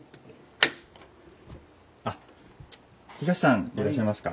あ東さんでいらっしゃいますか？